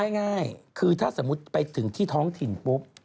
ง่ายคือถ้าสมมุติไปถึงที่ท้องถิ่นปุ๊บ